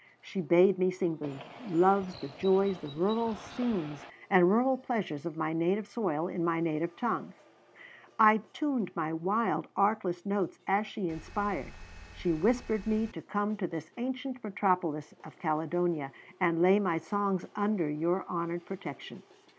She bade me sing the loves, the joys, the rural scenes and rural pleasures of my native soil in my native tongue. I tuned my wild, artless notes as she inspired. She whispered me to come to this ancient metropolis of Caledonia and lay my songs under your honored protection.